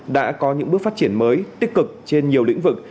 đã có những bước phát triển mới tích cực trên nhiều lĩnh vực